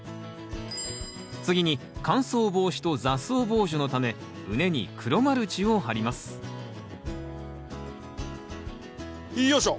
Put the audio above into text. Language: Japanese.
次に乾燥防止と雑草防除のため畝に黒マルチを張りますよいしょ。